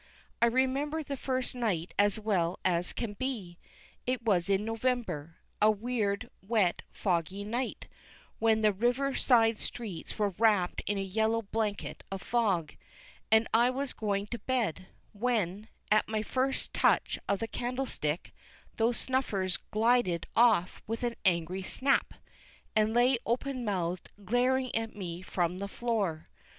I remember the first night as well as can be. It was in November a weird, wet, foggy night, when the river side streets were wrapped in a yellow blanket of fog and I was going to bed, when, at my first touch of the candlestick, those snuffers glided off with an angry snap, and lay, open mouthed, glaring at me from the floor.